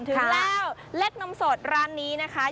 ถึงแล้วเล็ดนมสดร้านนี้นะคะ